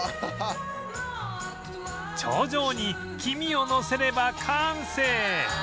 頂上に黄身をのせれば完成！